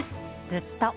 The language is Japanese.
ずっと。